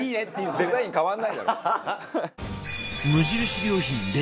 デザイン変わんないだろ。